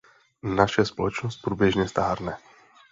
Naše společnost průběžně stárne.